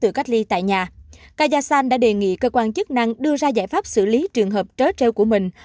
từ cách ly tại nhà kayasan đã đề nghị cơ quan chức năng đưa ra giải pháp xử lý trường hợp trớ treo của mình